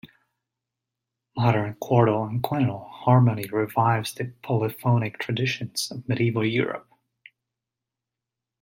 Modern quartal and quintal harmony revives the polyphonic traditions of medieval Europe.